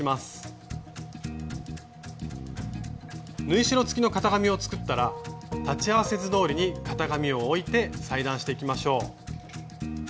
縫い代つきの型紙を作ったら裁ち合わせ図どおりに型紙を置いて裁断していきましょう。